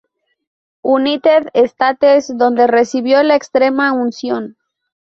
United States, donde recibió la Extrema Unción.